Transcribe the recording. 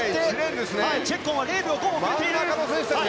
チェッコンは０秒５遅れている。